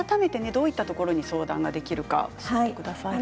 どういったところに相談できるか教えてください。